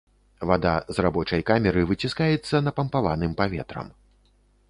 Вада з рабочай камеры выціскаецца напампаваным паветрам.